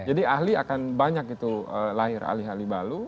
jadi ahli akan banyak itu lahir ahli ahli balu